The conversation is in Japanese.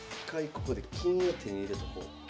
ここで金を手に入れとこう。